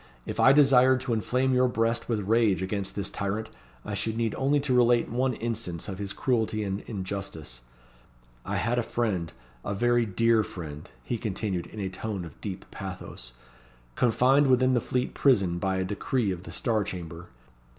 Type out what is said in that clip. If I desired to inflame your breast with rage against this tyrant, I should need only to relate one instance of his cruelty and injustice. I had a friend a very dear friend," he continued, in a tone of deep pathos "confined within the Fleet Prison by a decree of the Star Chamber.